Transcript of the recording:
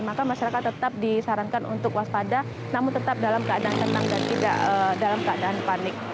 maka masyarakat tetap disarankan untuk waspada namun tetap dalam keadaan tenang dan tidak dalam keadaan panik